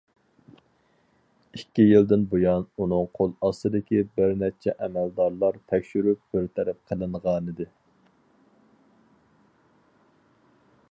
ئىككى يىلدىن بۇيان ئۇنىڭ قول ئاستىدىكى بىر نەچچە ئەمەلدارلار تەكشۈرۈپ بىر تەرەپ قىلىنغانىدى.